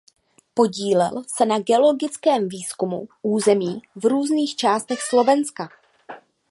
Podílel se na geologickém výzkumu území v různých částech Slovenska.